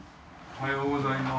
おはようございます。